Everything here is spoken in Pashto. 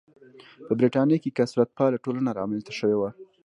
په برېټانیا کې کثرت پاله ټولنه رامنځته شوې وه.